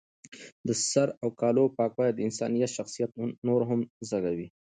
د سر او کالو پاکوالی د انسان شخصیت نور هم ځلوي.